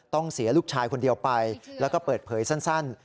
เสียลูกชายคนเดียวไปแล้วก็เปิดเผยสั้น